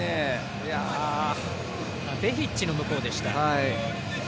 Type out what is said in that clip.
ベヒッチのところでした。